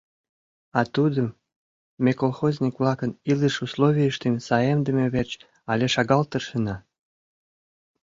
— А тудым: ме колхозник-влакын илыш условийыштым саемдыме верч але шагал тыршена.